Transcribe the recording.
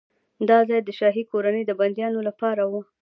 دا ځای د شاهي کورنۍ د بندیانو لپاره و.